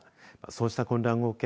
そうした混乱を受け